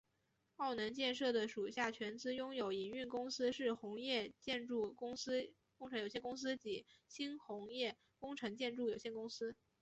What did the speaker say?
澳能建设的属下全资拥有营运公司是鸿业建筑工程有限公司及新鸿业工程建筑有限公司。